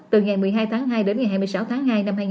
từ ngày một mươi hai tháng hai đến ngày hai mươi sáu tháng hai